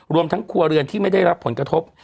รวมทั้งครัวเรือนที่ไม่ได้รับผลกระทบ